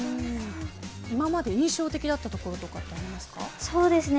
今まで印象的だったところとかありますか？